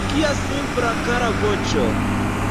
Kia simpla, kara voĉo!